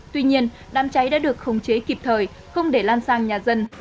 tuy nhiên đám cháy đã được khống chế kịp thời không để lan sang nhà dân